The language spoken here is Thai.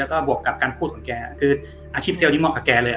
แล้วก็บวกกับการพูดของแกคืออาชีพเซลล์นี้เหมาะกับแกเลย